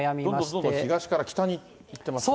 どんどんどんどん東から北に行ってますね。